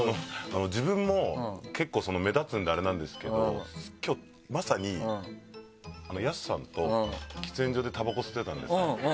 自分も結構目立つんであれなんですけど今日まさにＹＡＳＵさんと喫煙所でたばこ吸ってたんですよ。